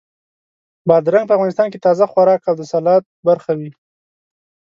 بادرنګ په افغانستان کې تازه خوراک او د سالاد برخه وي.